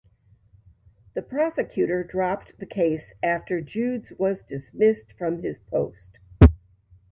The prosecutor dropped the case after Judes was dismissed from his post.